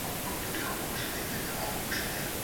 له پرهېزه مي زړه تور دی میخانو ته مي زړه کیږي